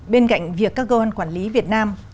bên cạnh việc các goan quản lý việt nam